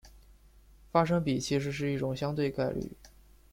发生比其实是一种相对概率。